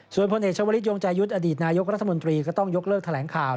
ส่วนพลเอกชาวลิศยงใจยุทธ์อดีตนายกรัฐมนตรีก็ต้องยกเลิกแถลงข่าว